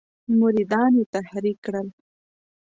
مریدان یې تحریک کړل.